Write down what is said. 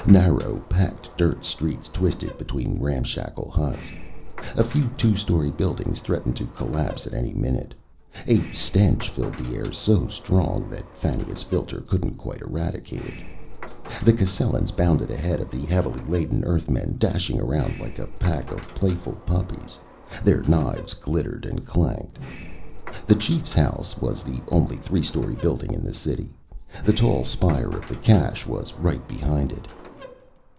Narrow, packed dirt streets twisted between ramshackle huts. A few two story buildings threatened to collapse at any minute. A stench filled the air, so strong that Fannia's filter couldn't quite eradicate it. The Cascellans bounded ahead of the heavily laden Earthmen, dashing around like a pack of playful puppies. Their knives glittered and clanked. The chief's house was the only three story building in the city. The tall spire of the cache was right behind it.